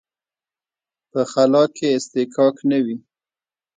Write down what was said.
په خلا کې اصطکاک نه وي.